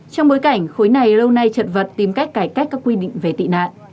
trong bối cảnh khối này lâu nay chật vật tìm cách cải cách các quy định về tị nạn